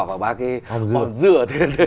và bác còn rửa